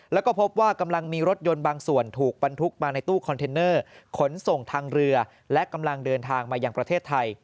แล้วก็พบว่ากำลังมีรถยนต์บางส่วนถูกบรรทุกมาในตู้คอนเทนเนอร์ขนส่งทางเรือและกำลังเดินทางมายังประเทศไทย